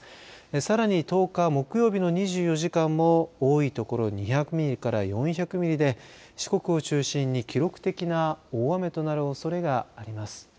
さらに１０日木曜日の２４時間も多いところ２００ミリから４００ミリで四国を中心に記録的な大雨となるおそれがあります。